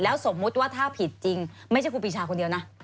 สมมุติว่าถ้าผิดจริงไม่ใช่ครูปีชาคนเดียวนะ